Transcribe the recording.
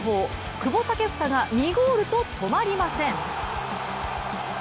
久保建英が２ゴールと、止まりません。